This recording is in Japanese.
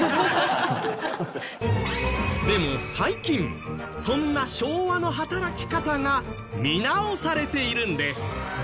でも最近そんな昭和の働き方が見直されているんです。